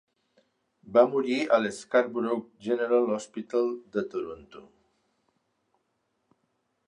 Va morir a l'Scarborough General Hospital de Toronto.